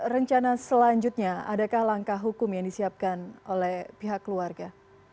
rencana selanjutnya adakah langkah hukum yang disiapkan oleh pihak keluarga